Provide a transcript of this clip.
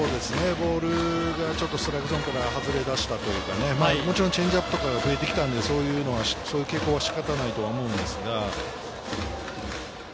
ボールがストライクゾーンから外れ出したというか、チェンジアップとかが増えてきたので、仕方ないとは思うんですけれど。